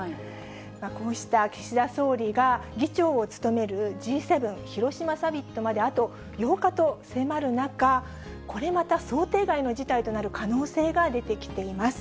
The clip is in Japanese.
こうした岸田総理が議長を務めるＧ７広島サミットまであと８日と迫る中、これまた想定外の事態となる可能性が出てきています。